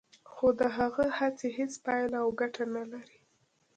خو د هغه هڅې هیڅ پایله او ګټه نه لري